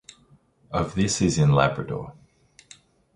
Of this is in Labrador.